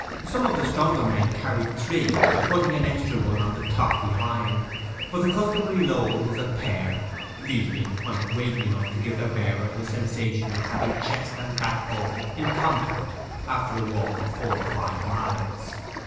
Some of the stronger men carried three by putting an extra one on the top behind, but the customary load was a pair, these being quite weighty enough to give their bearer the sensation of having chest and backbone in contact after a walk of four or five miles.